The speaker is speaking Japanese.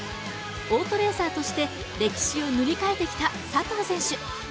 オートレーサーとして歴史を塗り替えてきた佐藤選手。